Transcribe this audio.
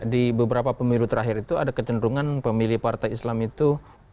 di beberapa pemilu terakhir itu ada kecenderungan pemilih partai islam itu